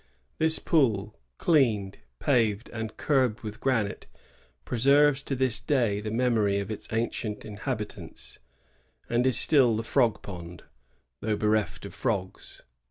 This pool, cleaned, paved, and curbed with granite, preserves to this day the memory of its ancient inhabitants, and is still the Frog Pond, though bereft of frogs.